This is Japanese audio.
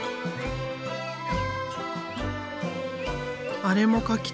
「あれも描きたい」